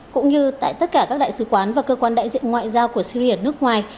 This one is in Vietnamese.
cũng như tại tất cả các đại sứ quán và cơ quan đại diện ngoại giao của syri ở nước ngoài